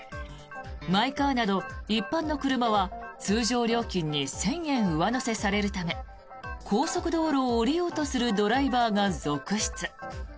マイカーなど一般の車は通常料金に１０００円上乗せされるため高速道路を降りようとするドライバーが続出。